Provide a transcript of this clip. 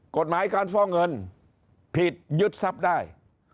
กฎหมายการฟอกเงินผิดยึดทรัพย์ได้